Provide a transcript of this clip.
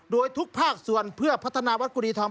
ด้วยทุกภาคส่วนเพื่อพัฒนาวัฒน์กุฎีทอง